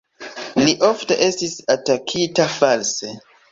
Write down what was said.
Li ofte estis atakita false.